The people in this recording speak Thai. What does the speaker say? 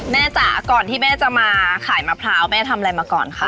จ๋าก่อนที่แม่จะมาขายมะพร้าวแม่ทำอะไรมาก่อนคะ